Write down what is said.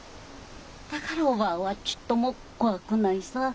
だからおばぁはちっとも怖くないさぁ。